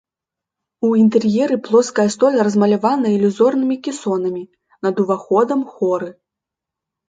У інтэр'еры плоская столь размалявана ілюзорнымі кесонамі, над уваходам хоры.